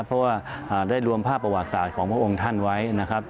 เพราะว่าได้รวมภาพประวัติศาสตร์ของพระองค์ท่านไว้นะครับ